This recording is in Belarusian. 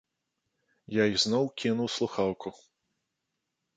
Я ізноў кінуў слухаўку.